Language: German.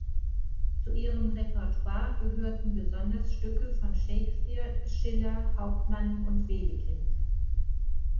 Zu ihrem Repertoire gehörten besonders Stücke von Shakespeare, Schiller, Hauptmann und Wedekind.